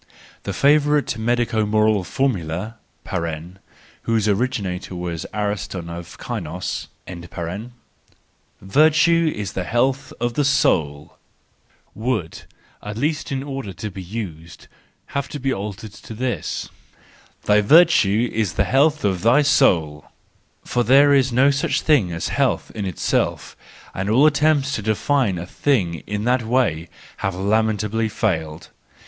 —The favourite medico moral formula (whose originator was Ariston of Chios), " Virtue is the health of the soul," would, at least in order to be used, have to be altered to this: " Thy virtue is the health of thy soul " For there is no such thing as health in itself, and all attempts to define a thing in that way have lamentably failed.